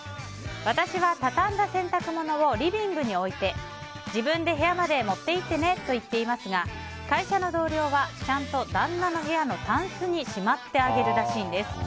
私は、畳んだ洗濯物をリビングに置いて自分で部屋まで持っていってねと言っていますが会社の同僚はちゃんと旦那の部屋のタンスにしまってあげるらしいんです。